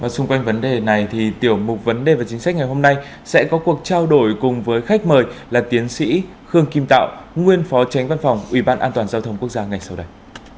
xung quanh vấn đề này thì tiểu mục vấn đề và chính sách ngày hôm nay sẽ có cuộc trao đổi cùng với khách mời là tiến sĩ khương kim tạo nguyên phó tránh văn phòng ủy ban an toàn giao thông quốc gia ngay sau đây